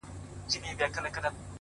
نور به وه ميني ته شعرونه ليكلو؛